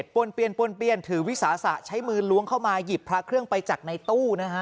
ป้วนเปลี่ยนป้วนเปลี่ยนถือวิสาสะใช้มือล้วงเข้ามาหยิบพระเครื่องไปจากในตู้นะฮะ